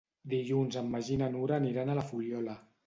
Dilluns en Magí i na Nura aniran a la Fuliola.